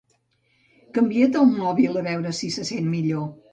Canvia't el mòbil a veure si se sent millor